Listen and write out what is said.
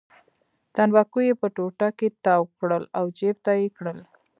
تنباکو یې په ټوټه کې تاو کړل او جېب ته یې کړل.